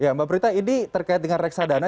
ya mbak prita ini terkait dengan reksadana